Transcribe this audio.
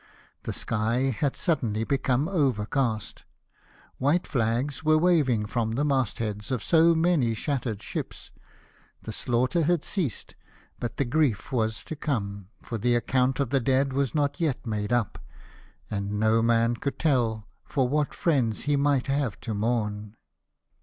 The sky had suddenly become overcast ; white flags were waving from the mastheads of so many shattered ships ; the slaughter had ceased, but the grief was to come, for the account of the dead was not yet made up, and no man could tell for what friends he might have to mourn.